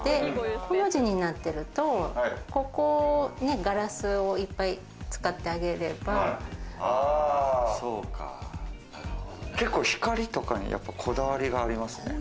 コの字なってると、ここにガラスをいっぱい使ってあげれば。光とかにこだわりがありますね。